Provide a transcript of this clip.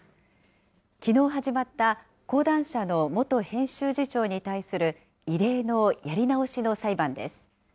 きのう始まった、講談社の元編集次長に対する異例のやり直しの裁判です。